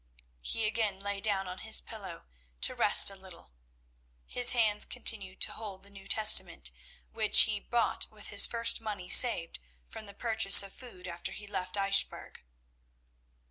He again lay down on his pillow to rest a little. His hands continued to hold the New Testament, which he had bought with his first money saved from the purchase of food after he left Eichbourg.